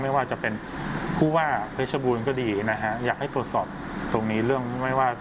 ไม่ว่าจะเป็นผู้ว่าพฤชบูรณ์ก็ดีนะ